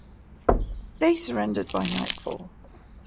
They surrendered by nightfall.